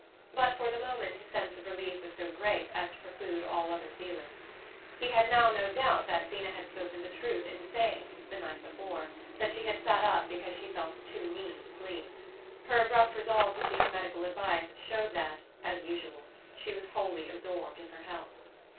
But for the moment his sense of relief was so great as to preclude all other feelings. He had now no doubt that Zeena had spoken the truth in saying, the night before, that she had sat up because she felt "too mean" to sleep: her abrupt resolve to seek medical advice showed that, as usual, she was wholly absorbed in her health.